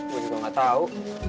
gue juga gak tau